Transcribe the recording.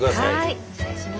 はい失礼します。